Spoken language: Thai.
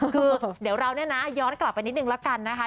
คือเดี๋ยวเราย้อนกลับไปนิดหนึ่งแล้วกันนะคะ